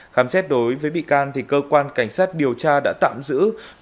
khám xét đối với bị can cơ quan cảnh sát điều tra đã tạm giữ